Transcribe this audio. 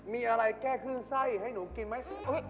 มีอะไรแก้ขึ้นไส้ให้หนูกินไหม